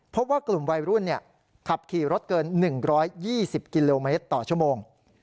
พบว่ากลุ่มวัยรุ่นขับขี่รถเกิน๑๒๐กิโลเมตรต่อชั่วโมง